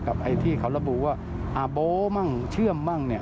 กับที่เขาระบุว่าโบ๊ะมั่งเชื่อมมั่ง